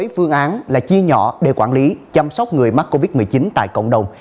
phương án là chia nhỏ để quản lý chăm sóc người mắc covid một mươi chín tại cộng đồng